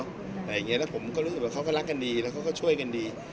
อะไรอย่างนี้แล้วผมก็รู้สึกว่าเขาก็รักกันดีแล้วเขาก็ช่วยกันดี